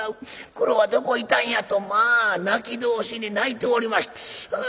クロはどこ行ったんや』とまあ泣き通しに泣いております。